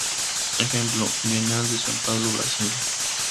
Ejemplo: Bienal de San Pablo Brasil.